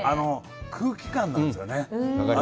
空気感なんですよね。